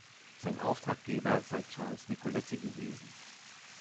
Sein Auftraggeber sei Charles Nicoletti gewesen.